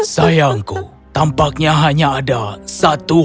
sayangku tampaknya hanya ada satu